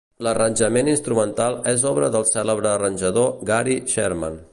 L'arranjament instrumental és obra del cèlebre arranjador Gary Sherman.